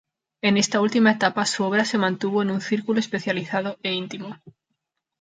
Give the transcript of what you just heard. En esta última etapa su obra se mantuvo en un círculo especializado e íntimo.